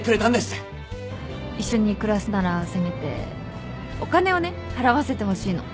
一緒に暮らすならせめてお金をね払わせてほしいの